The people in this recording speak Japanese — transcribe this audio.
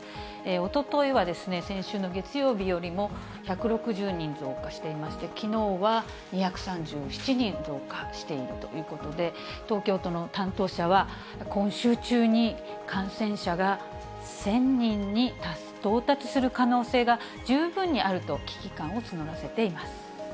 おとといはですね、先週の月曜日よりも１６０人増加していまして、きのうは２３７人増加しているということで、東京都の担当者は、今週中に感染者が１０００人に到達する可能性が十分にあると危機感を募らせています。